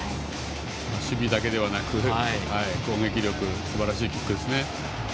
守備だけではなく攻撃力すばらしいキックですね。